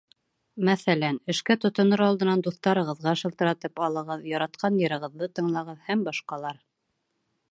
Мәҫәлән, эшкә тотонор алдынан дуҫтарығыҙға шылтыратып алығыҙ, яратҡан йырығыҙҙы тыңлағыҙ һәм башҡалар.